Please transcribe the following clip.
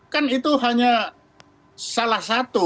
kan itu hanya salah satu